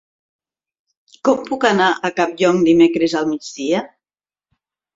Com puc anar a Campllong dimecres al migdia?